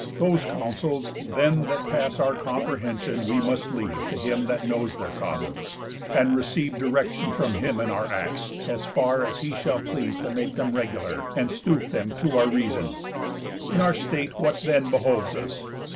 Those counsels, then, That pass our comprehension, we must leave To him that knows their causes; and receive Direction from him in our acts, as far As he shall please to make them regular, And stoop them to our reason. In our state What then behoves us?